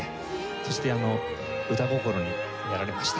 そして歌心にやられました。